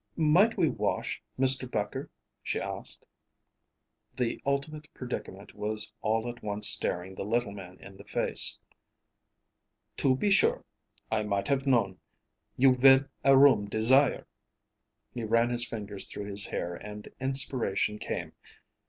"Might we wash, Mr. Becher?" she asked. The ultimate predicament was all at once staring the little man in the face. "To be sure.... I might have known.... You will a room desire." ... He ran his fingers through his hair, and inspiration came. "Mr.